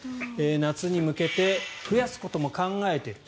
夏に向けて増やすことも考えている。